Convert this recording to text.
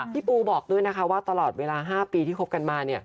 พี่ปูบอกด้วยนะคะว่าตลอดเวลา๕ปีที่คบกันมา